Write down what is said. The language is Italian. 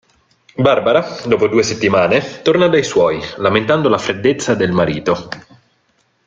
Barbara, dopo due settimane, torna dai suoi, lamentando la freddezza del marito.